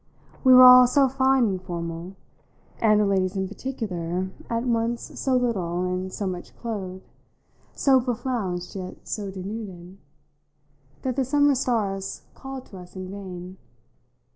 We were all so fine and formal, and the ladies in particular at once so little and so much clothed, so beflounced yet so denuded, that the summer stars called to us in vain.